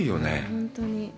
本当に。